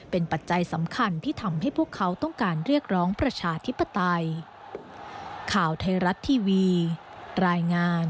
เป็นปัจจัยสำคัญที่ทำให้พวกเขาต้องการเรียกร้องประชาธิปไตย